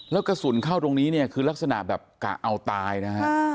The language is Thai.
แล้วกระสุนเข้าตรงนี้เนี่ยคือลักษณะแบบกะเอาตายนะฮะ